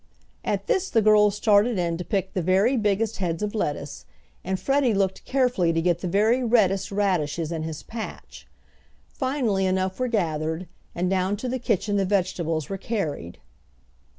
At this the girls started in to pick the very biggest heads of lettuce, and Freddie looked carefully to get the very reddest radishes in his patch. Finally enough were gathered, and down to the kitchen the vegetables were carried.